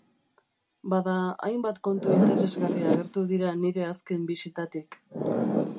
Bada, hainbat kontu interesgarri agertu dira nire azken bisitatik.